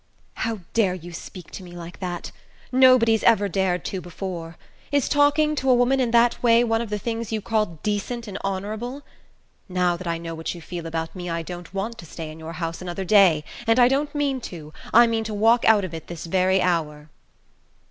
"How dare you speak to me like that? Nobody's ever dared to before. Is talking to a woman in that way one of the things you call decent and honourable? Now that I know what you feel about me I don't want to stay in your house another day. And I don't mean to I mean to walk out of it this very hour!"